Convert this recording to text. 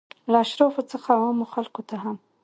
له اشرافو څخه عامو خلکو ته هم.